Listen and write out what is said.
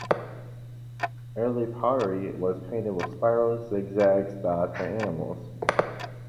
Early pottery was painted with spirals, zigzags, dots, or animals.